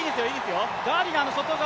ガーディナーの外側